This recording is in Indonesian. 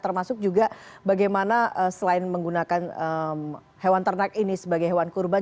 termasuk juga bagaimana selain menggunakan hewan ternak ini sebagai hewan kurban